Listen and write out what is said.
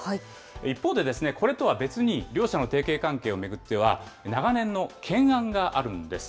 一方で、これとは別に両社の提携関係を巡っては、長年の懸案があるんです。